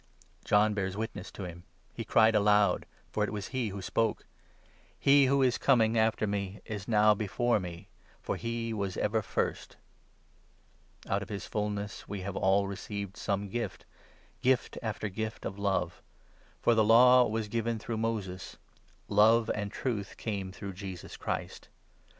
(John bears witness to him ; he cried aloud — for it was he 15 who spoke —"' He who is Coming ' after me is now before me, For he was ever First "); Out of his fulness we have all received some gift, 16 Gift after gift of love ; For the Law was given through Moses, 17 Love and truth came through Jesus Christ.